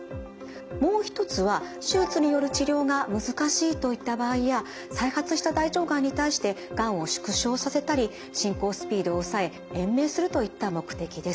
もう一つは手術による治療が難しいといった場合や再発した大腸がんに対してがんを縮小させたり進行スピードを抑え延命するといった目的です。